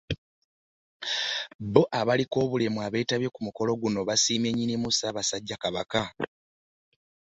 Bo abaliko obulemu abeetabye ku mukolo guno basiimye Nnyinimu Ssaabasajja Kabaka